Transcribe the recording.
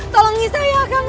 tolong nyisai ya kang